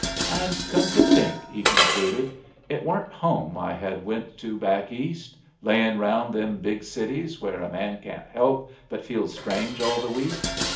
"And come to think," he concluded, "it weren't home I had went to back East, layin' round them big cities, where a man can't help but feel strange all the week.